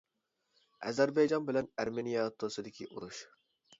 ئەزەربەيجان بىلەن ئەرمېنىيە ئوتتۇرىسىدىكى ئۇرۇش.